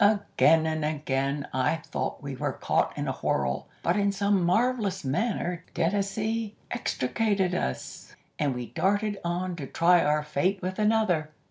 Again and again I thought we were caught in a whirl, but in some marvellous manner Dennazee extricated us, and we darted on to try our fate with another.